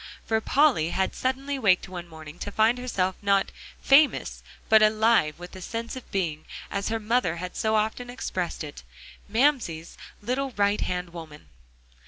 For Polly had suddenly waked one morning, to find herself, not "famous," but alive with the sense of being as her mother had so often expressed it "Mamsie's little right hand woman."